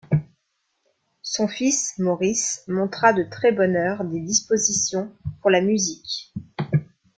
Son fils, Maurice, montra de très bonne heure des dispositions pour la musique.